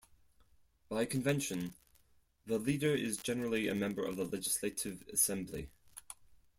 By convention, the leader is generally a member of the Legislative Assembly.